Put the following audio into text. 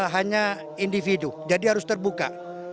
hanya individu jadi harus terbuka